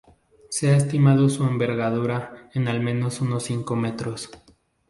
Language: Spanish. Se ha estimado su envergadura en al menos unos cinco metros.